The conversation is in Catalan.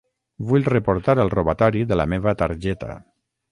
Vull reportar el robatori de la meva targeta.